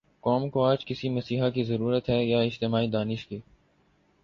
قوم کو آج کسی مسیحا کی ضرورت ہے یا اجتماعی دانش کی؟